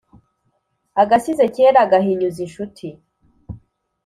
Agashyize kera gahinyuza inshuti.